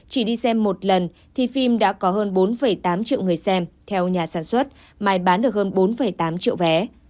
chỉ đi xem một lần thì phim đã có hơn bốn tám triệu người xem theo nhà sản xuất mai bán được hơn bốn tám triệu vé